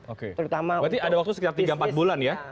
oke berarti ada waktu sekitar tiga empat bulan ya